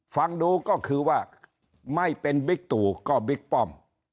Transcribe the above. ฟังดูก็คือว่าไม่เป็นบิ๊กตู่ก็บิ๊กป้อม